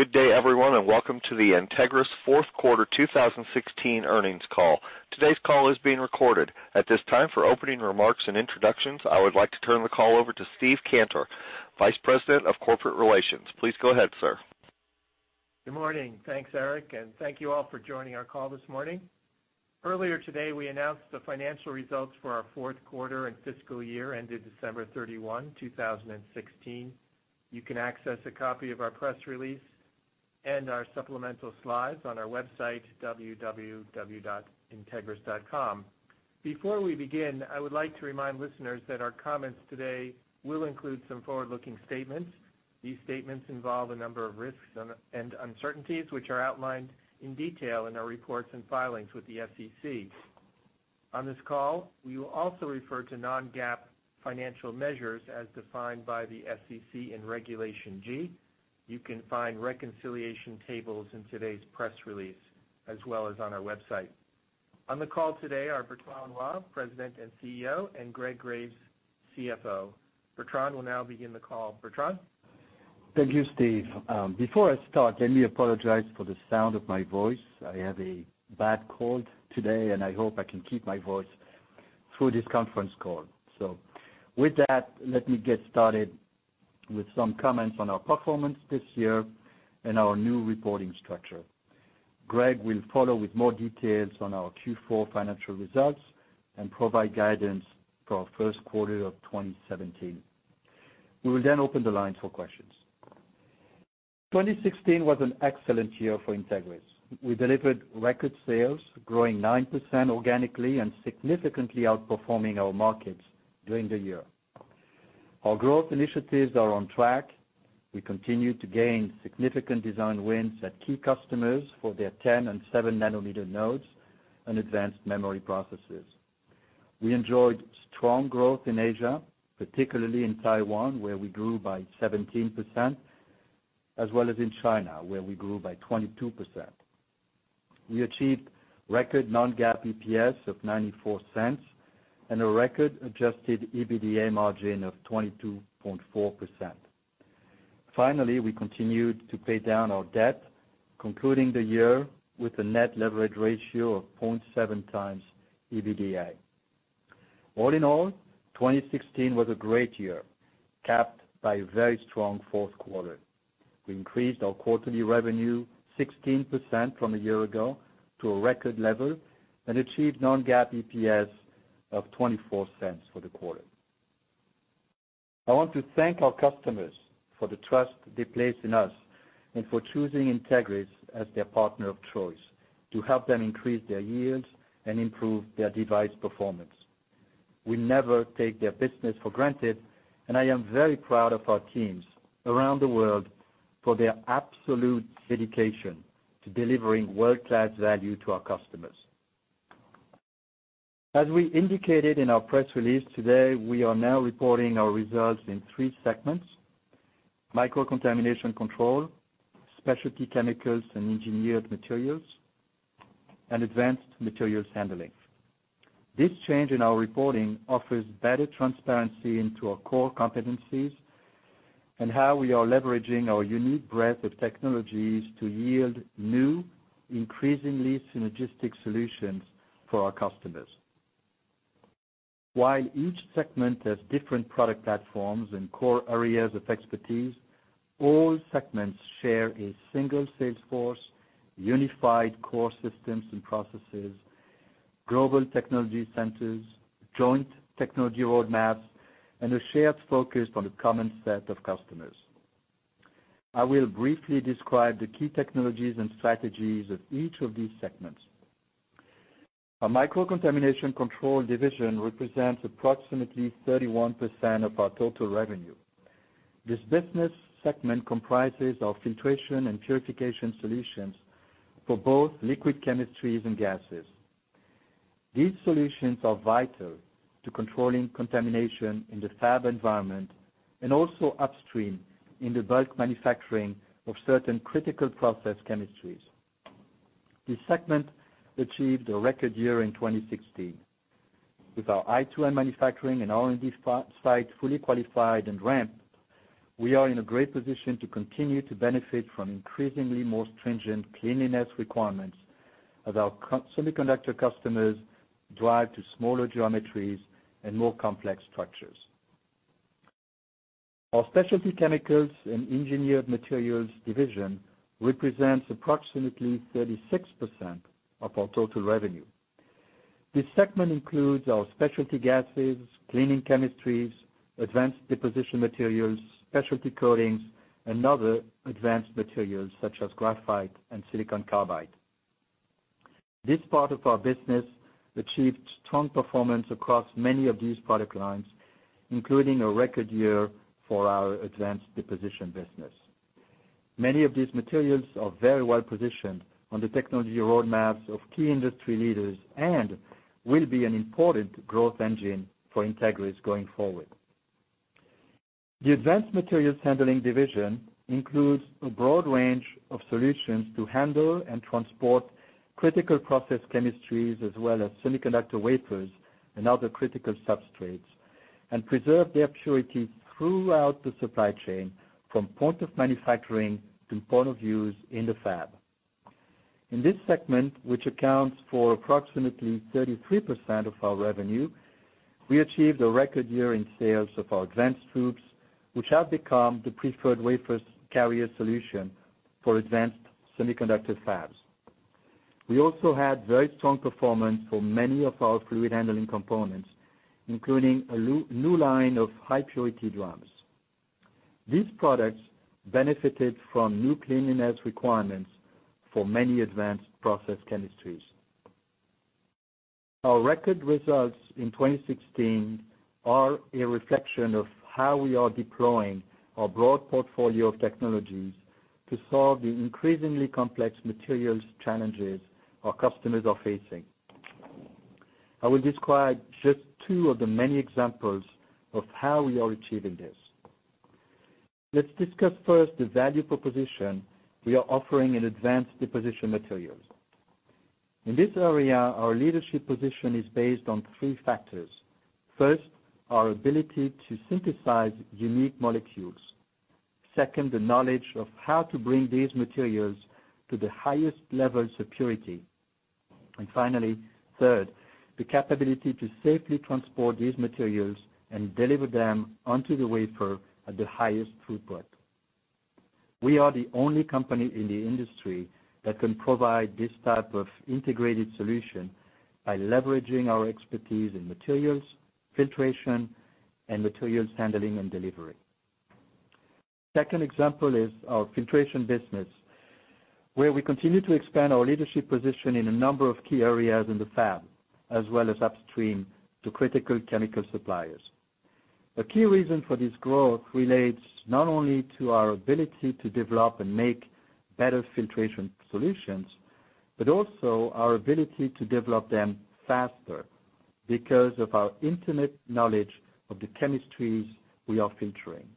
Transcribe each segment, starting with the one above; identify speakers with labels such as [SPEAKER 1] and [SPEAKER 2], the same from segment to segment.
[SPEAKER 1] Good day, everyone, and welcome to the Entegris fourth quarter 2016 earnings call. Today's call is being recorded. At this time, for opening remarks and introductions, I would like to turn the call over to Steve Cantor, Vice President of Corporate Relations. Please go ahead, sir.
[SPEAKER 2] Good morning. Thanks, Eric, and thank you all for joining our call this morning. Earlier today, we announced the financial results for our fourth quarter and fiscal year ended December 31, 2016. You can access a copy of our press release and our supplemental slides on our website, www.entegris.com. Before we begin, I would like to remind listeners that our comments today will include some forward-looking statements. These statements involve a number of risks and uncertainties, which are outlined in detail in our reports and filings with the SEC. On this call, we will also refer to non-GAAP financial measures as defined by the SEC in Regulation G. You can find reconciliation tables in today's press release, as well as on our website. On the call today are Bertrand Loy, President and CEO, and Greg Graves, CFO. Bertrand will now begin the call. Bertrand?
[SPEAKER 3] Thank you, Steve. Before I start, let me apologize for the sound of my voice. I have a bad cold today, and I hope I can keep my voice through this conference call. With that, let me get started with some comments on our performance this year and our new reporting structure. Greg will follow with more details on our Q4 financial results and provide guidance for our first quarter of 2017. We will then open the lines for questions. 2016 was an excellent year for Entegris. We delivered record sales, growing 9% organically and significantly outperforming our markets during the year. Our growth initiatives are on track. We continue to gain significant design wins at key customers for their 10 and 7 nanometer nodes and advanced memory processes. We enjoyed strong growth in Asia, particularly in Taiwan, where we grew by 17%, as well as in China, where we grew by 22%. We achieved record non-GAAP EPS of $0.94 and a record adjusted EBITDA margin of 22.4%. Finally, we continued to pay down our debt, concluding the year with a net leverage ratio of 0.7 times EBITDA. All in all, 2016 was a great year, capped by a very strong fourth quarter. We increased our quarterly revenue 16% from a year ago to a record level and achieved non-GAAP EPS of $0.24 for the quarter. I want to thank our customers for the trust they place in us and for choosing Entegris as their partner of choice to help them increase their yields and improve their device performance. We never take their business for granted. I am very proud of our teams around the world for their absolute dedication to delivering world-class value to our customers. As we indicated in our press release today, we are now reporting our results in three segments: Microcontamination Control, Specialty Chemicals and Engineered Materials, and Advanced Materials Handling. This change in our reporting offers better transparency into our core competencies and how we are leveraging our unique breadth of technologies to yield new, increasingly synergistic solutions for our customers. While each segment has different product platforms and core areas of expertise, all segments share a single sales force, unified core systems and processes, global technology centers, joint technology roadmaps, and a shared focus on a common set of customers. I will briefly describe the key technologies and strategies of each of these segments. Our Microcontamination Control division represents approximately 31% of our total revenue. This business segment comprises our filtration and purification solutions for both liquid chemistries and gases. These solutions are vital to controlling contamination in the fab environment and also upstream in the bulk manufacturing of certain critical process chemistries. This segment achieved a record year in 2016. With our i2M manufacturing and R&D site fully qualified and ramped, we are in a great position to continue to benefit from increasingly more stringent cleanliness requirements as our semiconductor customers drive to smaller geometries and more complex structures. Our Specialty Chemicals and Engineered Materials division represents approximately 36% of our total revenue. This segment includes our specialty gases, cleaning chemistries, advanced deposition materials, specialty coatings, and other advanced materials such as graphite and silicon carbide. This part of our business achieved strong performance across many of these product lines, including a record year for our advanced deposition business. Many of these materials are very well positioned on the technology roadmaps of key industry leaders and will be an important growth engine for Entegris going forward. The Advanced Materials Handling division includes a broad range of solutions to handle and transport critical process chemistries, as well as semiconductor wafers and other critical substrates. Preserve their purity throughout the supply chain, from point of manufacturing to point of use in the fab. In this segment, which accounts for approximately 33% of our revenue, we achieved a record year in sales of our advanced FOUPs, which have become the preferred wafer carrier solution for advanced semiconductor fabs. We also had very strong performance for many of our fluid handling components, including a new line of high-purity drums. These products benefited from new cleanliness requirements for many advanced process chemistries. Our record results in 2016 are a reflection of how we are deploying our broad portfolio of technologies to solve the increasingly complex materials challenges our customers are facing. I will describe just two of the many examples of how we are achieving this. Let's discuss first the value proposition we are offering in advanced deposition materials. In this area, our leadership position is based on three factors. First, our ability to synthesize unique molecules. Second, the knowledge of how to bring these materials to the highest levels of purity. Finally, Third, the capability to safely transport these materials and deliver them onto the wafer at the highest throughput. We are the only company in the industry that can provide this type of integrated solution by leveraging our expertise in materials, filtration, and materials handling and delivery. Second example is our filtration business, where we continue to expand our leadership position in a number of key areas in the fab, as well as upstream to critical chemical suppliers. A key reason for this growth relates not only to our ability to develop and make better filtration solutions, but also our ability to develop them faster because of our intimate knowledge of the chemistries we are filtering.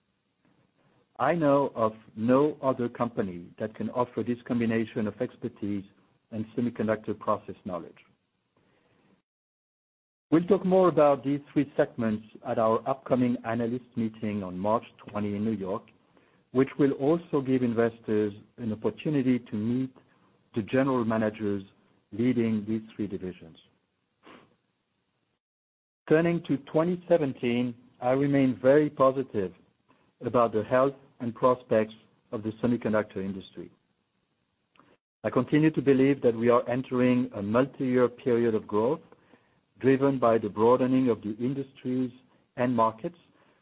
[SPEAKER 3] I know of no other company that can offer this combination of expertise and semiconductor process knowledge. We'll talk more about these three segments at our upcoming analyst meeting on March 20 in New York, which will also give investors an opportunity to meet the general managers leading these three divisions. Turning to 2017, I remain very positive about the health and prospects of the semiconductor industry. I continue to believe that we are entering a multi-year period of growth, driven by the broadening of the industries and markets,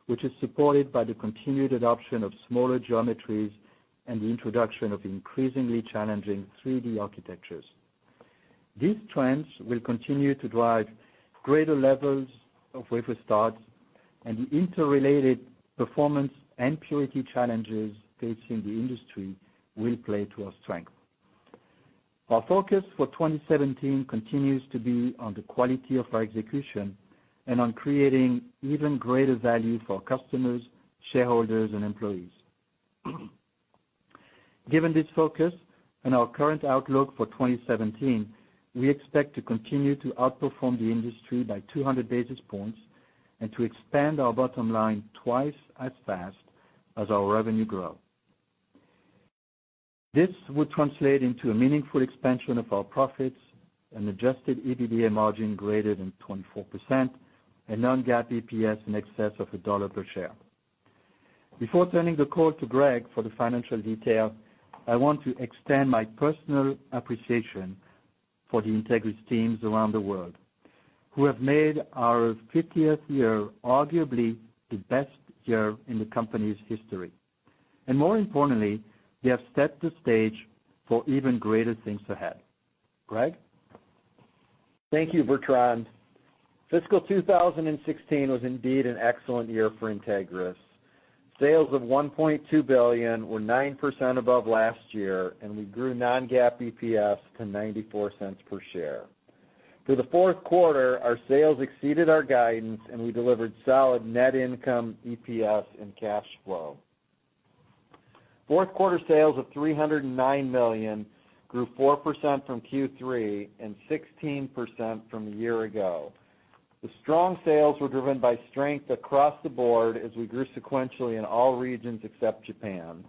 [SPEAKER 3] which is supported by the continued adoption of smaller geometries and the introduction of increasingly challenging 3D architectures. These trends will continue to drive greater levels of wafer starts, and the interrelated performance and purity challenges facing the industry will play to our strength. Our focus for 2017 continues to be on the quality of our execution and on creating even greater value for customers, shareholders, and employees. Given this focus and our current outlook for 2017, we expect to continue to outperform the industry by 200 basis points and to expand our bottom line twice as fast as our revenue grow. This would translate into a meaningful expansion of our profits, an adjusted EBITDA margin greater than 24%, a non-GAAP EPS in excess of $1 per share. Before turning the call to Greg for the financial detail, I want to extend my personal appreciation for the Entegris teams around the world, who have made our 50th year arguably the best year in the company's history. More importantly, they have set the stage for even greater things ahead. Greg?
[SPEAKER 4] Thank you, Bertrand. Fiscal 2016 was indeed an excellent year for Entegris. Sales of $1.2 billion were 9% above last year. We grew non-GAAP EPS to $0.94 per share. Through the fourth quarter, our sales exceeded our guidance. We delivered solid net income EPS and cash flow. Fourth quarter sales of $309 million grew 4% from Q3 and 16% from a year ago. The strong sales were driven by strength across the board as we grew sequentially in all regions except Japan.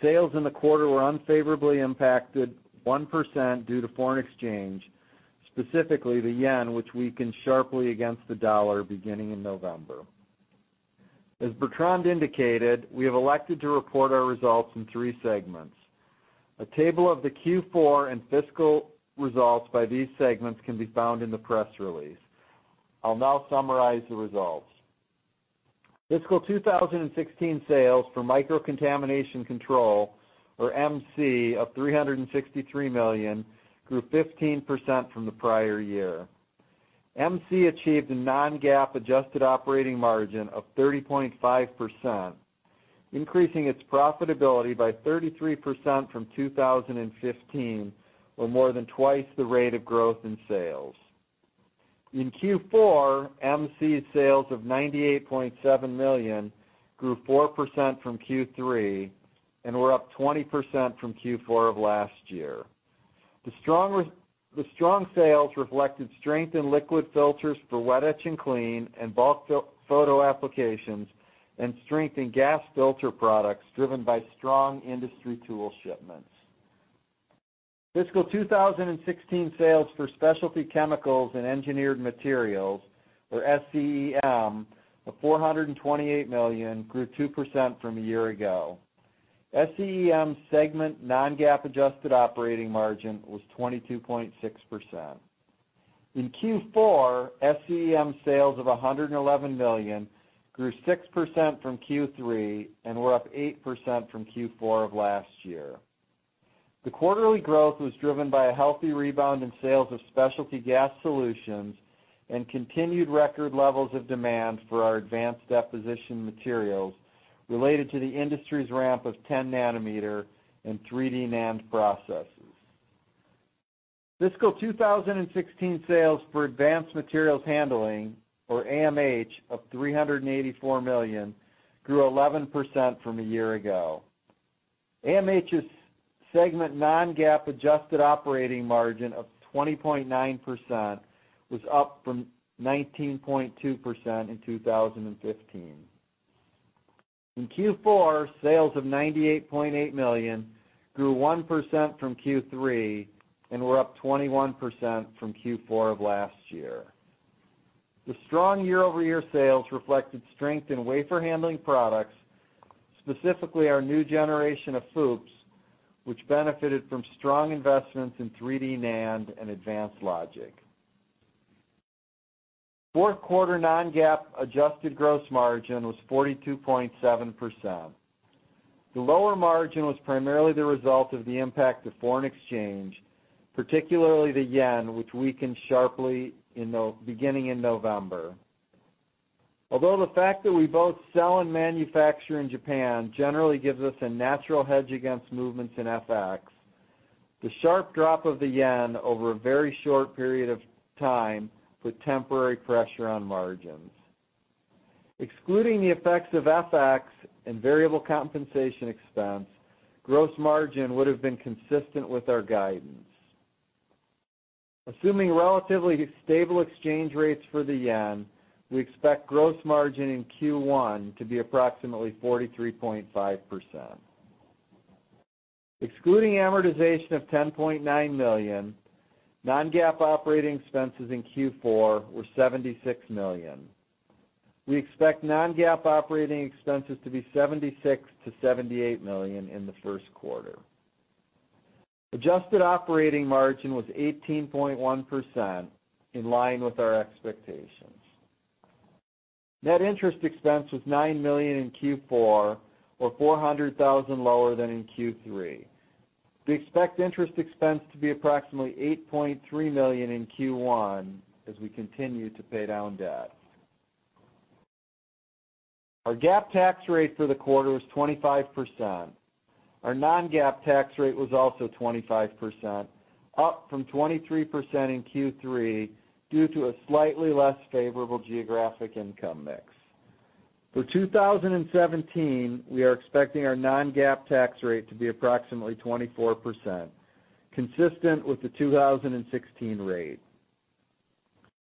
[SPEAKER 4] Sales in the quarter were unfavorably impacted 1% due to foreign exchange, specifically the yen, which weakened sharply against the dollar beginning in November. As Bertrand indicated, we have elected to report our results in three segments. A table of the Q4 and fiscal results by these segments can be found in the press release. I'll now summarize the results. Fiscal 2016 sales for Microcontamination Control, or MC, of $363 million grew 15% from the prior year. MC achieved a non-GAAP adjusted operating margin of 30.5%, increasing its profitability by 33% from 2015, or more than twice the rate of growth in sales. In Q4, MC's sales of $98.7 million grew 4% from Q3 and were up 20% from Q4 of last year. The strong sales reflected strength in liquid filters for wet etch and clean, and bulk photoresist applications, and strength in gas filter products driven by strong industry tool shipments. Fiscal 2016 sales for Specialty Chemicals and Engineered Materials, or SCEM, of $428 million, grew 2% from a year ago. SCEM's segment non-GAAP adjusted operating margin was 22.6%. In Q4, SCEM sales of $111 million grew 6% from Q3 and were up 8% from Q4 of last year. The quarterly growth was driven by a healthy rebound in sales of specialty gas solutions and continued record levels of demand for our advanced deposition materials related to the industry's ramp of 10 nanometer and 3D NAND processes. Fiscal 2016 sales for Advanced Materials Handling, or AMH, of $384 million, grew 11% from a year ago. AMH's segment non-GAAP adjusted operating margin of 20.9% was up from 19.2% in 2015. In Q4, sales of $98.8 million grew 1% from Q3 and were up 21% from Q4 of last year. The strong year-over-year sales reflected strength in wafer handling products, specifically our new generation of FOUPs, which benefited from strong investments in 3D NAND and advanced logic. Fourth quarter non-GAAP adjusted gross margin was 42.7%. The lower margin was primarily the result of the impact of foreign exchange, particularly the yen, which weakened sharply beginning in November. Although the fact that we both sell and manufacture in Japan generally gives us a natural hedge against movements in FX, the sharp drop of the yen over a very short period of time put temporary pressure on margins. Excluding the effects of FX and variable compensation expense, gross margin would've been consistent with our guidance. Assuming relatively stable exchange rates for the yen, we expect gross margin in Q1 to be approximately 43.5%. Excluding amortization of $10.9 million, non-GAAP operating expenses in Q4 were $76 million. We expect non-GAAP operating expenses to be $76 million-$78 million in the first quarter. Adjusted operating margin was 18.1%, in line with our expectations. Net interest expense was $9 million in Q4, or $400,000 lower than in Q3. We expect interest expense to be approximately $8.3 million in Q1 as we continue to pay down debt. Our GAAP tax rate for the quarter was 25%. Our non-GAAP tax rate was also 25%, up from 23% in Q3 due to a slightly less favorable geographic income mix. For 2017, we are expecting our non-GAAP tax rate to be approximately 24%, consistent with the 2016 rate.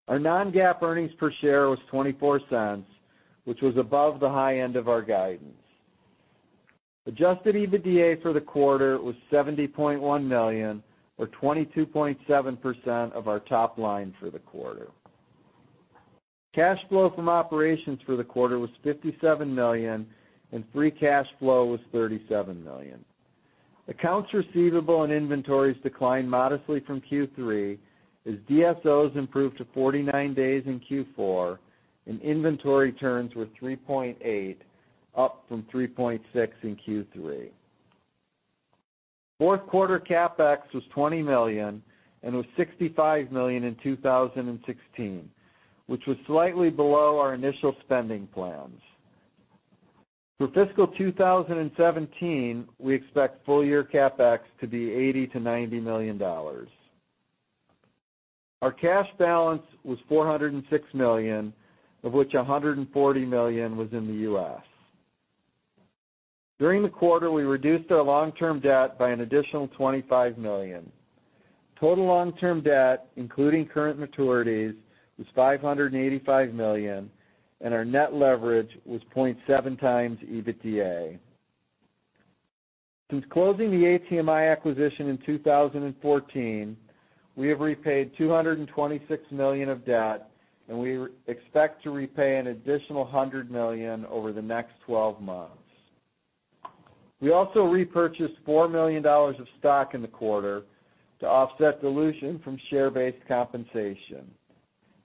[SPEAKER 4] Our non-GAAP earnings per share was $0.24, which was above the high end of our guidance. Adjusted EBITDA for the quarter was $70.1 million, or 22.7% of our top line for the quarter. Cash flow from operations for the quarter was $57 million, and free cash flow was $37 million. Accounts receivable and inventories declined modestly from Q3 as DSOs improved to 49 days in Q4, and inventory turns were 3.8, up from 3.6 in Q3. Fourth quarter CapEx was $20 million and was $65 million in 2016, which was slightly below our initial spending plans. For fiscal 2017, we expect full-year CapEx to be $80 million-$90 million. Our cash balance was $406 million, of which $140 million was in the U.S. During the quarter, we reduced our long-term debt by an additional $25 million. Total long-term debt, including current maturities, was $585 million, and our net leverage was 0.7 times EBITDA. Since closing the ATMI acquisition in 2014, we have repaid $226 million of debt, and we expect to repay an additional $100 million over the next 12 months. We also repurchased $4 million of stock in the quarter to offset dilution from share-based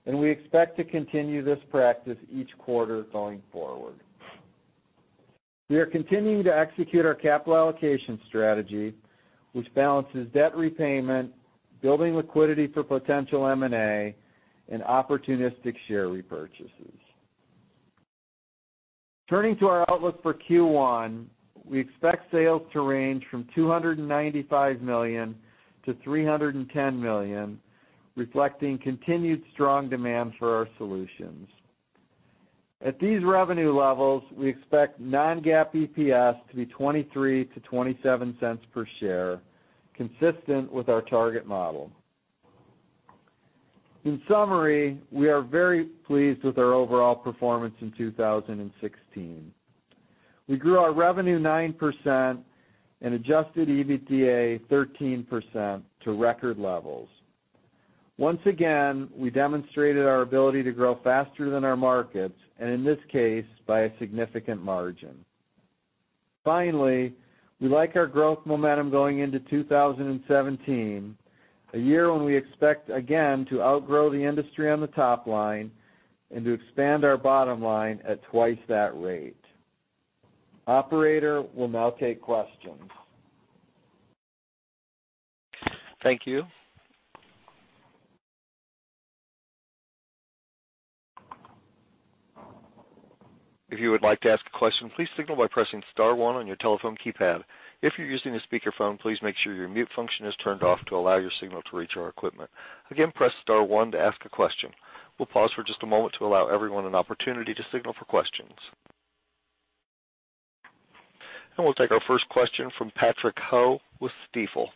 [SPEAKER 4] compensation, and we expect to continue this practice each quarter going forward. We are continuing to execute our capital allocation strategy, which balances debt repayment, building liquidity for potential M&A, and opportunistic share repurchases. Turning to our outlook for Q1, we expect sales to range from $295 million-$310 million, reflecting continued strong demand for our solutions. At these revenue levels, we expect non-GAAP EPS to be $0.23-$0.27 per share, consistent with our target model. In summary, we are very pleased with our overall performance in 2016. We grew our revenue 9% and adjusted EBITDA 13% to record levels. Once again, we demonstrated our ability to grow faster than our markets, and in this case, by a significant margin. Finally, we like our growth momentum going into 2017, a year when we expect again to outgrow the industry on the top line and to expand our bottom line at twice that rate. Operator, we'll now take questions.
[SPEAKER 1] Thank you. If you would like to ask a question, please signal by pressing star one on your telephone keypad. If you're using a speakerphone, please make sure your mute function is turned off to allow your signal to reach our equipment. Again, press star one to ask a question. We'll pause for just a moment to allow everyone an opportunity to signal for questions. We'll take our first question from Patrick Ho with Stifel.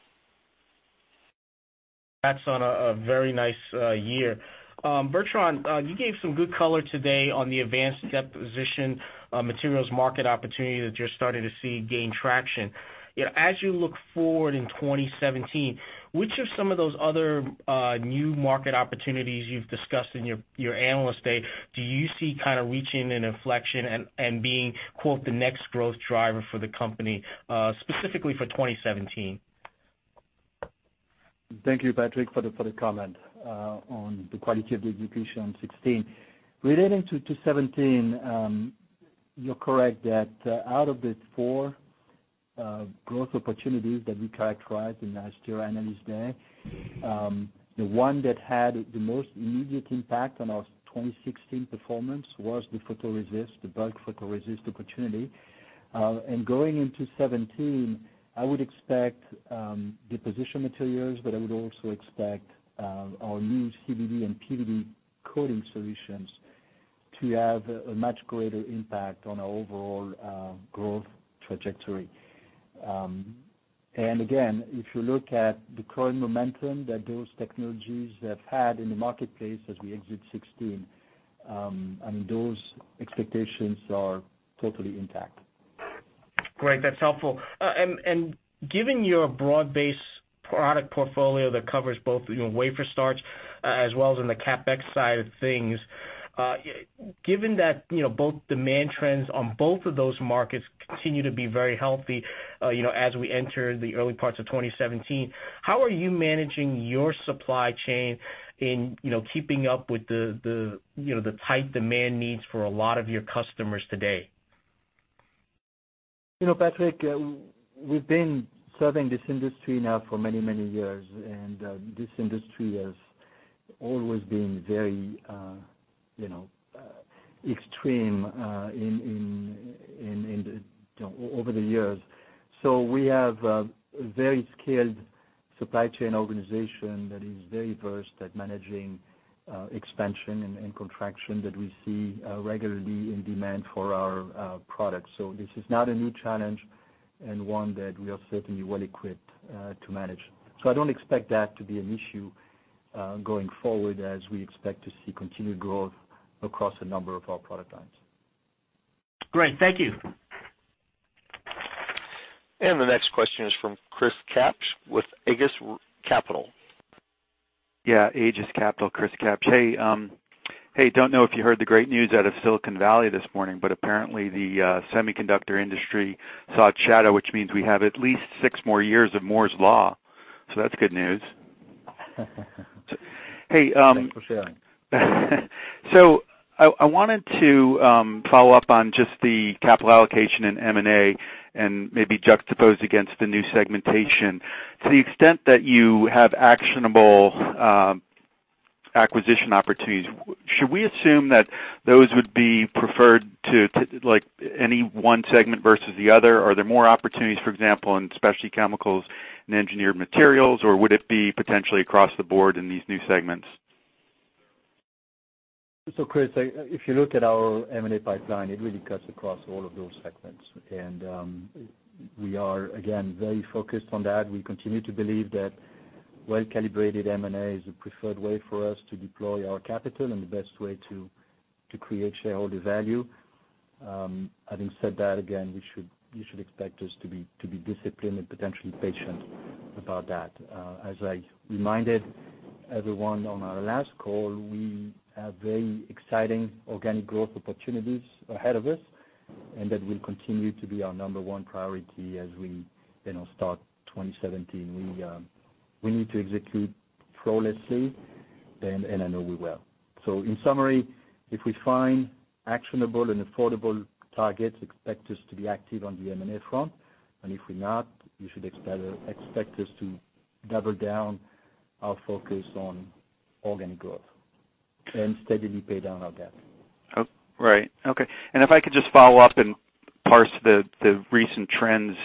[SPEAKER 5] Congrats on a very nice year. Bertrand, you gave some good color today on the advanced deposition materials market opportunity that you're starting to see gain traction. As you look forward in 2017, which of some of those other new market opportunities you've discussed in your Analyst Day do you see kind of reaching an inflection and being quote, "the next growth driver for the company," specifically for 2017?
[SPEAKER 3] Thank you, Patrick, for the comment on the quality of the execution in 2016. Relating to 2017, you're correct that out of the four growth opportunities that we characterized in last year Analyst Day, the one that had the most immediate impact on our 2016 performance was the photoresist, the bulk photoresist opportunity. Going into 2017, I would expect deposition materials, but I would also expect our new CVD and PVD coating solutions to have a much greater impact on our overall growth trajectory. Again, if you look at the current momentum that those technologies have had in the marketplace as we exit 2016, those expectations are totally intact.
[SPEAKER 5] Great. That's helpful. Given your broad-based product portfolio that covers both wafer starts as well as on the CapEx side of things, given that both demand trends on both of those markets continue to be very healthy as we enter the early parts of 2017, how are you managing your supply chain in keeping up with the tight demand needs for a lot of your customers today?
[SPEAKER 3] Patrick, we've been serving this industry now for many, many years, this industry has always been very extreme over the years. We have a very skilled supply chain organization that is very versed at managing expansion and contraction that we see regularly in demand for our products. This is not a new challenge and one that we are certainly well equipped to manage. I don't expect that to be an issue going forward as we expect to see continued growth across a number of our product lines.
[SPEAKER 5] Great. Thank you.
[SPEAKER 1] The next question is from Chris Kapsch with Aegis Capital.
[SPEAKER 6] Yeah, Aegis Capital, Chris Kapsch. Hey, don't know if you heard the great news out of Silicon Valley this morning, but apparently the semiconductor industry saw a shadow, which means we have at least six more years of Moore's Law. That's good news.
[SPEAKER 3] Thanks for sharing.
[SPEAKER 6] I wanted to follow up on just the capital allocation and M&A and maybe juxtapose against the new segmentation. To the extent that you have actionable acquisition opportunities, should we assume that those would be preferred to any one segment versus the other? Are there more opportunities, for example, in Specialty Chemicals and Engineered Materials, or would it be potentially across the board in these new segments?
[SPEAKER 3] Chris, if you look at our M&A pipeline, it really cuts across all of those segments. We are, again, very focused on that. We continue to believe that well-calibrated M&A is the preferred way for us to deploy our capital and the best way to create shareholder value. Having said that, again, you should expect us to be disciplined and potentially patient about that. As I reminded everyone on our last call, we have very exciting organic growth opportunities ahead of us, and that will continue to be our number one priority as we start 2017. We need to execute flawlessly, and I know we will. In summary, if we find actionable and affordable targets, expect us to be active on the M&A front. If we're not, you should expect us to double down our focus on organic growth and steadily pay down our debt.
[SPEAKER 6] Right. Okay. If I could just follow up, parse the recent trends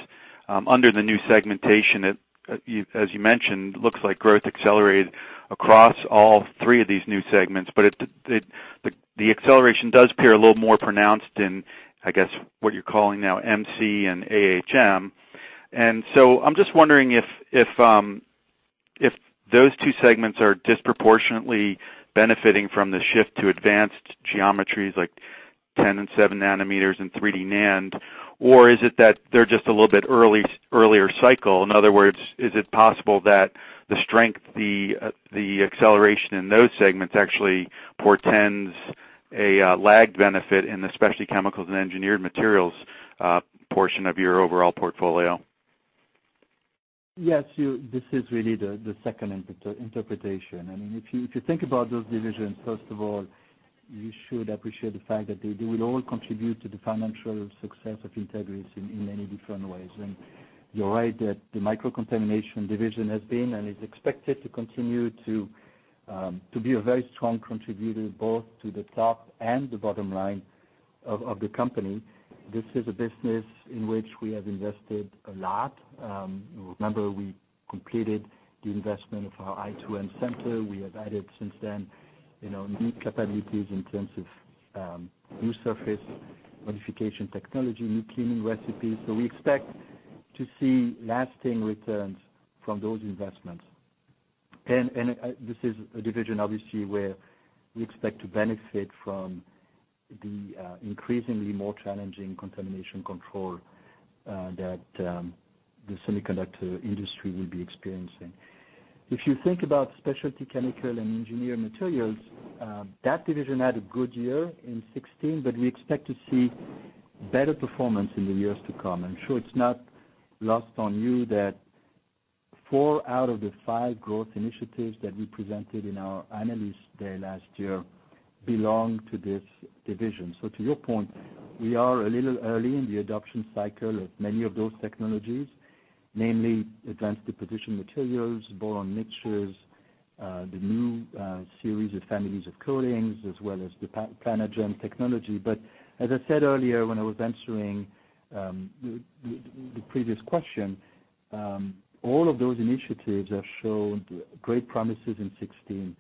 [SPEAKER 6] under the new segmentation. As you mentioned, looks like growth accelerated across all three of these new segments, but the acceleration does appear a little more pronounced in, I guess, what you're calling now MC and AMH. I'm just wondering if those two segments are disproportionately benefiting from the shift to advanced geometries like 10 and seven nanometers and 3D NAND? Or is it that they're just a little bit earlier cycle? In other words, is it possible that the strength, the acceleration in those segments actually portends a lagged benefit in the Specialty Chemicals and Engineered Materials portion of your overall portfolio?
[SPEAKER 3] Yes, this is really the second interpretation. If you think about those divisions, first of all, you should appreciate the fact that they will all contribute to the financial success of Entegris in many different ways. You're right that the Microcontamination division has been and is expected to continue to be a very strong contributor both to the top and the bottom line of the company. This is a business in which we have invested a lot. Remember, we completed the investment of our i2M center. We have added since then, new capabilities in terms of new surface modification technology, new cleaning recipes. We expect to see lasting returns from those investments. This is a division, obviously, where we expect to benefit from the increasingly more challenging contamination control that the semiconductor industry will be experiencing. If you think about Specialty Chemicals and Engineered Materials, that division had a good year in 2016. We expect to see better performance in the years to come. I'm sure it's not lost on you that four out of the five growth initiatives that we presented in our analyst day last year belong to this division. To your point, we are a little early in the adoption cycle of many of those technologies, namely advanced deposition materials, boron nitrides, the new series of families of coatings, as well as the PlanarGen technology. As I said earlier, when I was answering the previous question, all of those initiatives have shown great promises in 2016.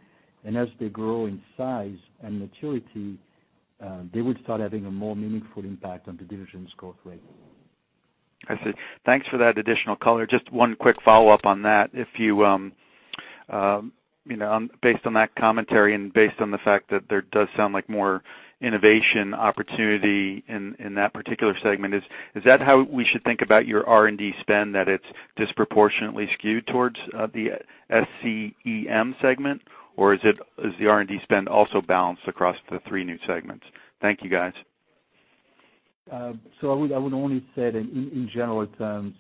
[SPEAKER 3] As they grow in size and maturity, they would start having a more meaningful impact on the division's growth rate.
[SPEAKER 6] I see. Thanks for that additional color. Just one quick follow-up on that. Based on that commentary and based on the fact that there does sound like more innovation opportunity in that particular segment, is that how we should think about your R&D spend, that it's disproportionately skewed towards the SCEM segment? Or is the R&D spend also balanced across the three new segments? Thank you, guys.
[SPEAKER 3] I would only say that in general terms,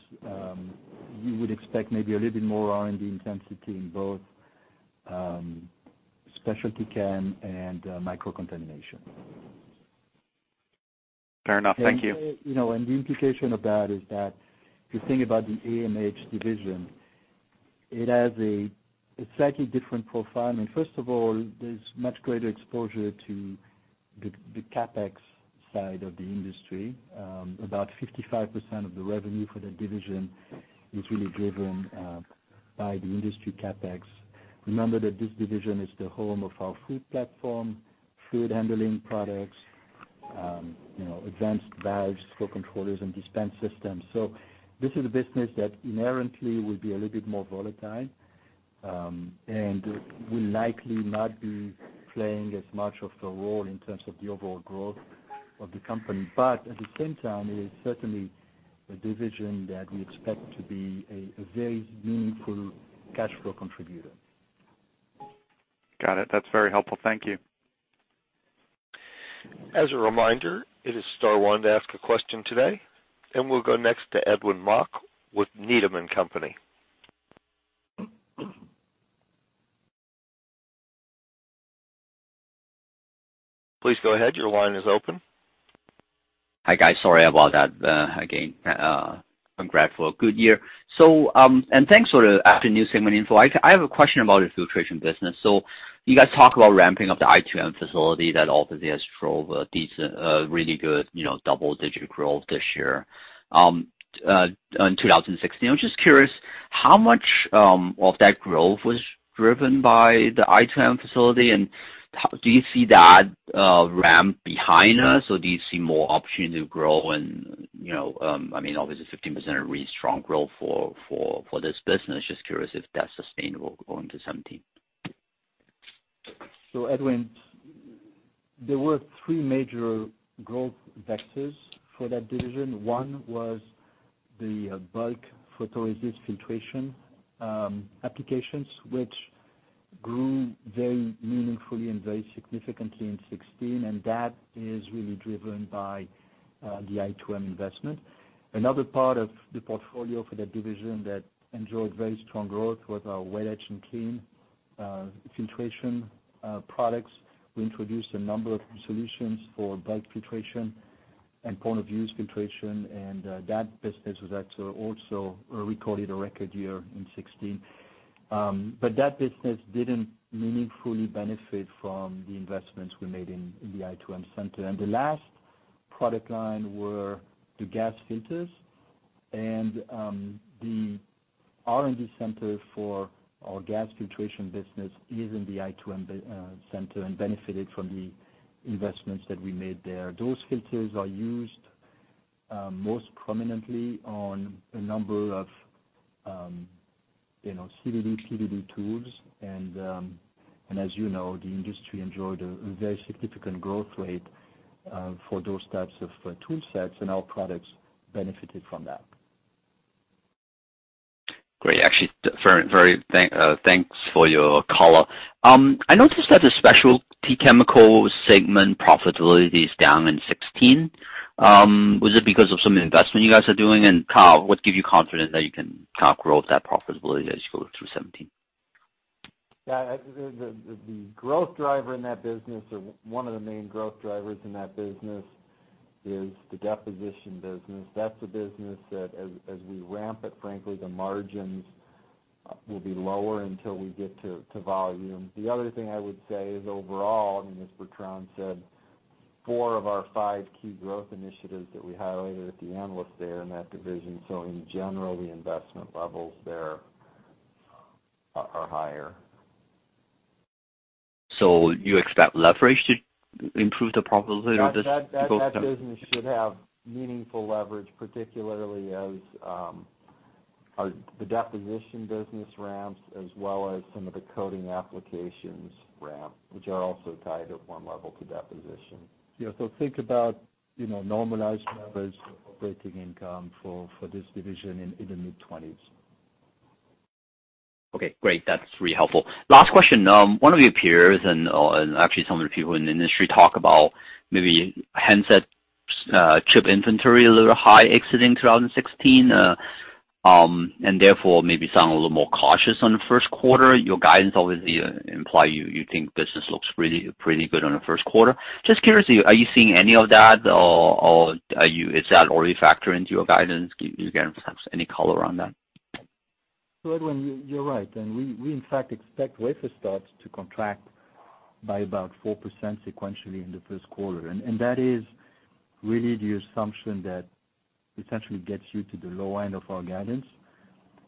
[SPEAKER 3] you would expect maybe a little bit more R&D intensity in both specialty chem and microcontamination.
[SPEAKER 6] Fair enough. Thank you.
[SPEAKER 3] The implication of that is that if you think about the AMH division, it has a slightly different profile. I mean, first of all, there's much greater exposure to the CapEx side of the industry. About 55% of the revenue for that division is really driven by the industry CapEx. Remember that this division is the home of our fluid platform, fluid handling products, advanced valves for controllers and dispense systems. This is a business that inherently will be a little bit more volatile, and will likely not be playing as much of a role in terms of the overall growth of the company. At the same time, it is certainly a division that we expect to be a very meaningful cash flow contributor.
[SPEAKER 6] Got it. That's very helpful. Thank you.
[SPEAKER 1] As a reminder, it is star one to ask a question today, and we'll go next to Edwin Mok with Needham & Company. Please go ahead. Your line is open.
[SPEAKER 7] Hi, guys. Sorry about that. Again, congrats for a good year. Thanks for the afternoon segment info. I have a question about your filtration business. You guys talk about ramping up the i2M facility. That obviously has drove a really good double-digit growth this year, in 2016. I'm just curious how much of that growth was driven by the i2M facility, and do you see that ramp behind us, or do you see more opportunity to grow? Obviously, 15% is really strong growth for this business. Just curious if that's sustainable going to 2017.
[SPEAKER 3] Edwin, there were three major growth vectors for that division. One was the bulk photoresist filtration applications, which grew very meaningfully and very significantly in 2016, and that is really driven by the i2M investment. Another part of the portfolio for that division that enjoyed very strong growth was our wet etch and clean filtration products. We introduced a number of new solutions for bulk filtration and point of use filtration, and that business was actually also recorded a record year in 2016. That business didn't meaningfully benefit from the investments we made in the i2M Center. The last product line were the gas filters, and the R&D center for our gas filtration business is in the i2M Center and benefited from the investments that we made there. Those filters are used most prominently on a number of CVD tools. As you know, the industry enjoyed a very significant growth rate for those types of tool sets, and our products benefited from that.
[SPEAKER 7] Great. Actually, thanks for your call. I noticed that the Specialty Chemicals segment profitability is down in 2016. Was it because of some investment you guys are doing? Greg, what gives you confidence that you can growth that profitability as you go through 2017?
[SPEAKER 4] Yeah. The growth driver in that business, or one of the main growth drivers in that business, is the deposition business. That's a business that as we ramp it, frankly, the margins will be lower until we get to volume. The other thing I would say is overall, as Bertrand said, four of our five key growth initiatives that we highlighted at the analyst day are in that division. In general, the investment levels there are higher.
[SPEAKER 7] You expect leverage to improve the profitability of this?
[SPEAKER 4] That business should have meaningful leverage, particularly as the deposition business ramps, as well as some of the coating applications ramp, which are also tied at one level to deposition.
[SPEAKER 3] Yeah. Think about normalized leverage operating income for this division in the mid-twenties.
[SPEAKER 7] Okay, great. That's really helpful. Last question. One of your peers, and actually some of the people in the industry talk about maybe handset chip inventory a little high exiting 2016, and therefore maybe sound a little more cautious on the first quarter. Your guidance obviously imply you think business looks pretty good on the first quarter. Just curious, are you seeing any of that, or is that already factored into your guidance? You can give any color on that?
[SPEAKER 3] Edwin, you're right. We in fact expect wafer starts to contract by about 4% sequentially in the first quarter. That is really the assumption that essentially gets you to the low end of our guidance.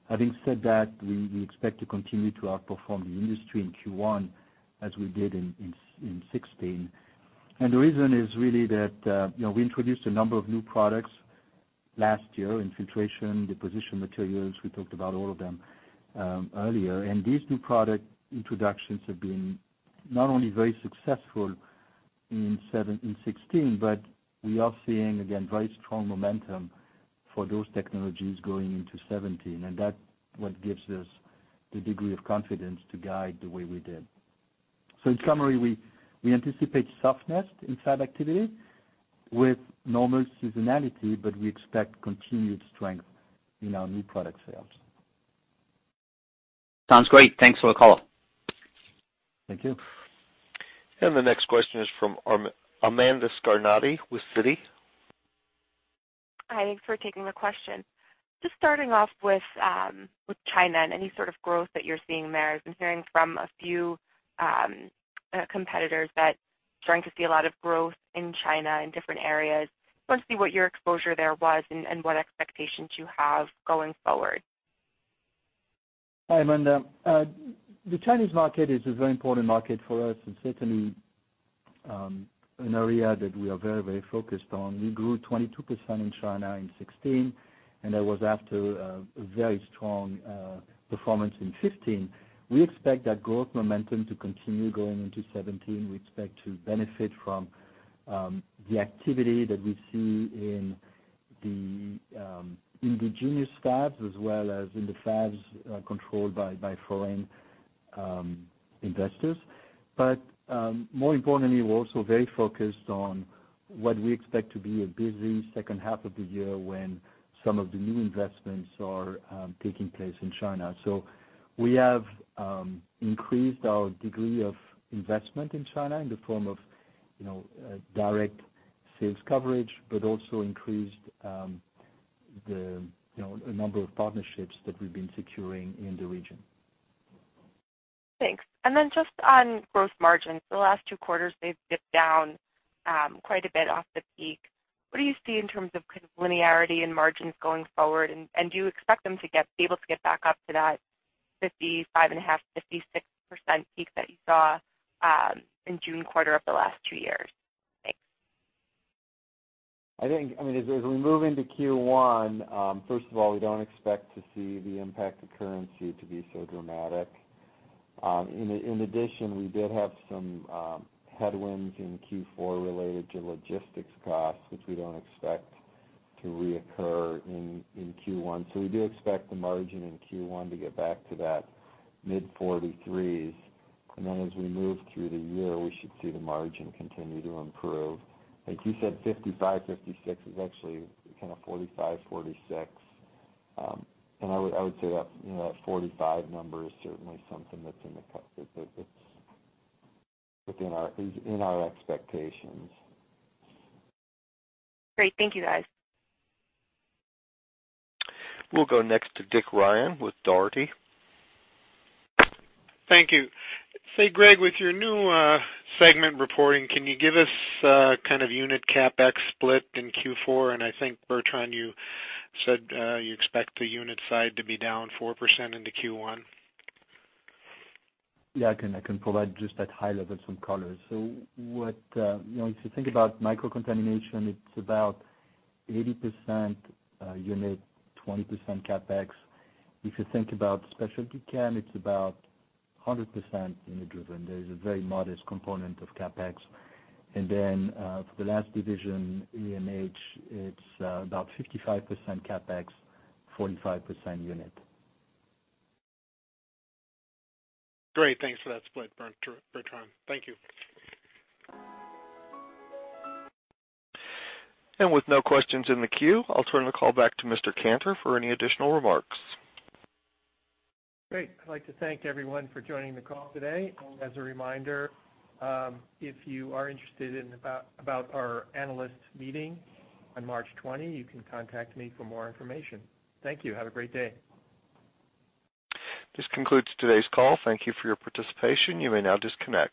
[SPEAKER 3] Having said that, we expect to continue to outperform the industry in Q1 as we did in 2016. The reason is really that we introduced a number of new products last year in filtration, deposition materials. We talked about all of them earlier. These new product introductions have been not only very successful in 2016, but we are seeing, again, very strong momentum for those technologies going into 2017. That what gives us the degree of confidence to guide the way we did. In summary, we anticipate softness in fab activity with normal seasonality, but we expect continued strength in our new product sales.
[SPEAKER 7] Sounds great. Thanks for the call.
[SPEAKER 3] Thank you.
[SPEAKER 1] The next question is from Amanda Scarnati with Citi.
[SPEAKER 8] Hi, thanks for taking the question. Just starting off with China and any sort of growth that you're seeing there. I've been hearing from a few competitors that are starting to see a lot of growth in China in different areas. Just want to see what your exposure there was and what expectations you have going forward.
[SPEAKER 3] Hi, Amanda. The Chinese market is a very important market for us, and certainly an area that we are very focused on. We grew 22% in China in 2016, and that was after a very strong performance in 2015. We expect that growth momentum to continue going into 2017. We expect to benefit from the activity that we see in the indigenous fabs as well as in the fabs controlled by foreign investors. More importantly, we're also very focused on what we expect to be a busy second half of the year when some of the new investments are taking place in China. We have increased our degree of investment in China in the form of direct sales coverage, but also increased the number of partnerships that we've been securing in the region.
[SPEAKER 8] Thanks. Just on gross margins, the last two quarters, they've dipped down quite a bit off the peak. What do you see in terms of kind of linearity in margins going forward? Do you expect them to be able to get back up to that 55.5%, 56% peak that you saw in June quarter of the last two years? Thanks.
[SPEAKER 4] As we move into Q1, first of all, we don't expect to see the impact of currency to be so dramatic. In addition, we did have some headwinds in Q4 related to logistics costs, which we don't expect to reoccur in Q1. We do expect the margin in Q1 to get back to that mid-43s. As we move through the year, we should see the margin continue to improve. I think you said 55, 56. It's actually kind of 45, 46. I would say that 45 number is certainly something that's within our expectations.
[SPEAKER 8] Great. Thank you, guys.
[SPEAKER 1] We'll go next to Dick Ryan with Dougherty.
[SPEAKER 9] Thank you. Say, Greg, with your new segment reporting, can you give us kind of unit CapEx split in Q4? I think, Bertrand, you said you expect the unit side to be down 4% into Q1.
[SPEAKER 3] I can provide just at high level some color. If you think about Microcontamination Control, it's about 80% unit, 20% CapEx. If you think about Specialty Chem, it's about 100% unit driven. There is a very modest component of CapEx. Then for the last division, AMH, it's about 55% CapEx, 45% unit.
[SPEAKER 9] Great. Thanks for that split, Bertrand. Thank you.
[SPEAKER 1] With no questions in the queue, I'll turn the call back to Mr. Cantor for any additional remarks.
[SPEAKER 2] Great. I'd like to thank everyone for joining the call today. As a reminder, if you are interested about our analyst meeting on March 20, you can contact me for more information. Thank you. Have a great day.
[SPEAKER 1] This concludes today's call. Thank you for your participation. You may now disconnect.